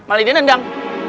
malin dia nendang